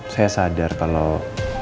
saya sadar kalau